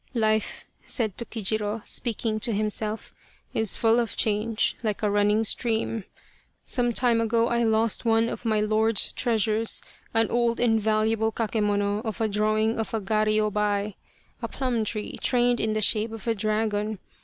" Life," said Tokijiro, speaking to himself, " is full of change like a running stream. Some time ago I lost one of my lord's treasures, an old and valuable kakemono of a drawing of a garyobai (a plum tree trained in the shape of a dragon).